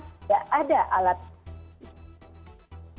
tidak ada alat bukti